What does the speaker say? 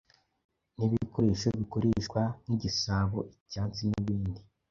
n’ibikoresho bikoreshwa nk’igisabo, icyansi n’ibindi.